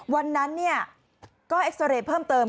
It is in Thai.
วันนั้นก็เอ็กซาเรย์เพิ่มเติม